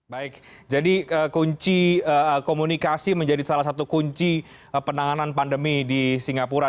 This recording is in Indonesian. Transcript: baik jadi kunci komunikasi menjadi salah satu kunci penanganan pandemi di singapura